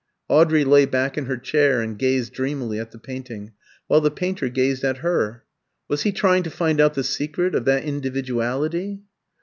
Audrey lay back in her chair and gazed dreamily at the painting, while the painter gazed at her. Was he trying to find out the secret of that individuality?